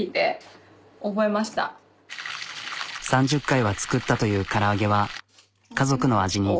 ３０回は作ったというから揚げは家族の味に。